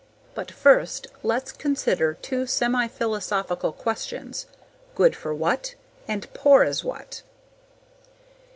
But first, let's consider two semi philosophical questions, "good for what?" and "poor as what?"